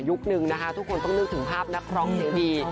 ยุคนึงทุกคนต้องนึกถึงภาพนักร้องดี